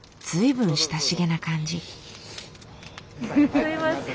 すみません。